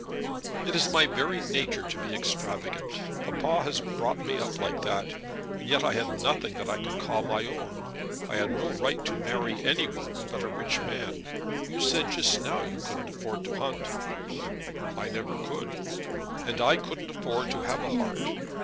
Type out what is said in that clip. "It is my very nature to be extravagant. Papa has brought me up like that. And yet I had nothing that I could call my own. I had no right to marry any one but a rich man. You said just now you couldn't afford to hunt." "I never could." "And I couldn't afford to have a heart.